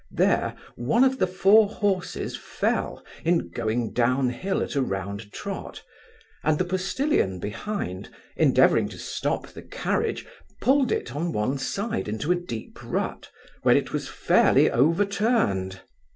There one of the four horses fell, in going down hill at a round trot; and the postilion behind, endeavouring to stop the carriage, pulled it on one side into a deep rut, where it was fairly overturned.